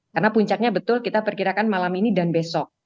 karena puncaknya betul kita perkirakan malam ini dan besok